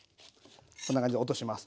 こんな感じで落とします。